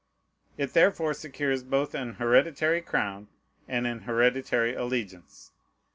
It therefore secures both an hereditary crown and an hereditary allegiance.